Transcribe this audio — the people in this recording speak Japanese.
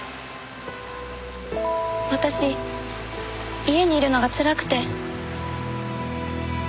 私家にいるのがつらくて。